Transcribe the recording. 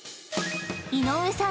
［井上さん